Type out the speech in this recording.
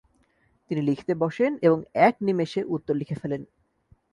তিনি লিখতে বসেন এবং এক নিমেষে উত্তর লিখে ফেলেন।